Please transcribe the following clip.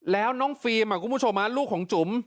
แล้วน้องฟีมลูกของจุ๋ม